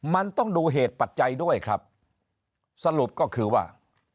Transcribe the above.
มันต้องดูเหตุปัจจัยด้วยครับสรุปก็คือว่า